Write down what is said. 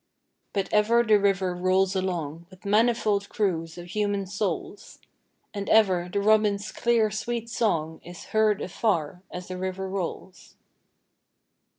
But ever the river rolls along With manifold crews of human souls; And ever, the robin's clear, sweet song Is heard afar as the river rolls.